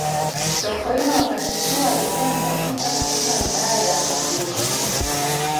sokoine wakati huo alikuwa ni afisa katika wilaya ya monduli